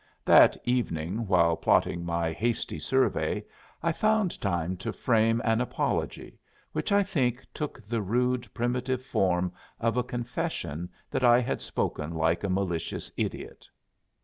That evening, while platting my hasty survey, I found time to frame an apology, which I think took the rude, primitive form of a confession that I had spoken like a malicious idiot.